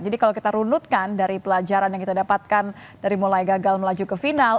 jadi kalau kita runutkan dari pelajaran yang kita dapatkan dari mulai gagal melaju ke final